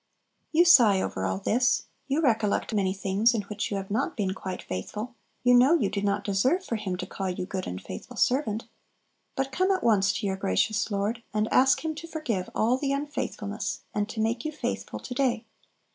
You sigh over all this; you recollect many things in which you have not been quite faithful; you know you do not deserve for Him to call you "good and faithful servant." But come at once to your gracious Lord, and ask Him to forgive all the unfaithfulness, and to make you faithful to day.